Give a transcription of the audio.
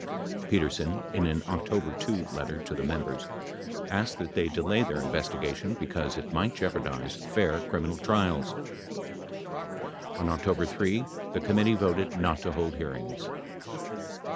90 Petersen, in an October 2 letter to the members, asked that they delay their investigation because it might jeopardize fair criminal trials. 91 On October 3, the committee voted not to hold hearings.